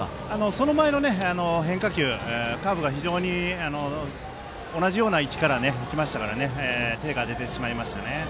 その前のカーブが非常に同じような位置から来ましたから手が出てしまいましたね。